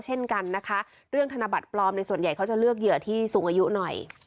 เช่นกันนะคะเรื่องธนบัตรปลอมในส่วนใหญ่เขาจะเลือกเหยื่อที่สูงอายุหน่อย